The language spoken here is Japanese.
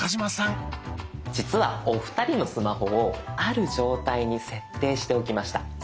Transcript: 実はお二人のスマホをある状態に設定しておきました。